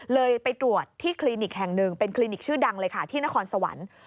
ไปตรวจที่คลินิกแห่งหนึ่งเป็นคลินิกชื่อดังเลยค่ะที่นครสวรรค์